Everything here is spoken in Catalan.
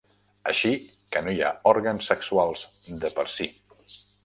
Així que no hi ha òrgans sexuals de per si.